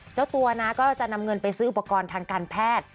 เจ้าตัวนะก็จะนำเงินไปซื้ออุปกรณ์ทางการแพทย์